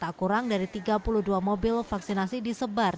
tak kurang dari tiga puluh dua mobil vaksinasi disebar